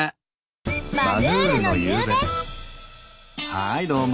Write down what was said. はいどうも。